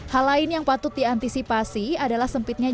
hal lain yang patut diantisipasi adalah sempit sempit